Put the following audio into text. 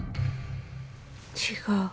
違う。